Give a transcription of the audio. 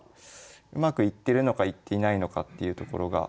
うまくいってるのかいっていないのかっていうところが。